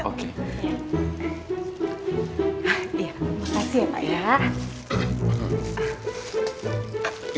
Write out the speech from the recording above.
makasih ya pak ya